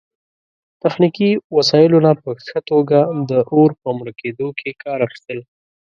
تخنیکي وسایلو نه په ښه توګه د اور په مړه کیدو کې کار اخیستل